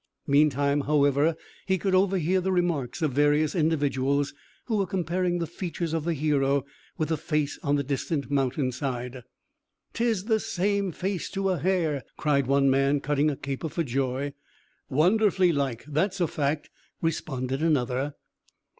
Meantime, however, he could overhear the remarks of various individuals, who were comparing the features of the hero with the face on the distant mountain side. "'Tis the same face, to a hair!" cried one man, cutting a caper for joy. "Wonderfully like, that's a fact!" responded another.